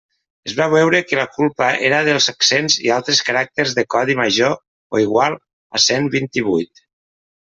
Es va veure que la culpa era dels accents i altres caràcters de codi major o igual que cent vint-i-vuit.